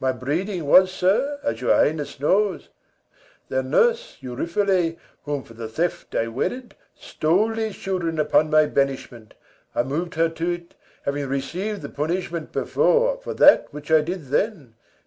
My breeding was, sir, as Your Highness knows. Their nurse, Euriphile, Whom for the theft I wedded, stole these children Upon my banishment; I mov'd her to't, Having receiv'd the punishment before For that which I did then.